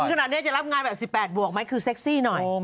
ขนาดนี้จะรับงานแบบ๑๘บวกไหมคือเซ็กซี่หน่อย